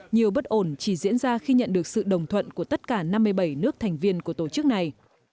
nhiều bất ổn chỉ diễn ra khi nhận được sự đồng thuận của tất cả năm mươi bảy nước thành viên của tổ chức này